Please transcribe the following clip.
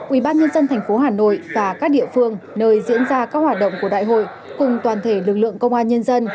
ubnd tp hà nội và các địa phương nơi diễn ra các hoạt động của đại hội cùng toàn thể lực lượng công an nhân dân